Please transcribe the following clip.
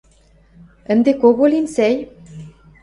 – Ӹнде кого лин сӓй...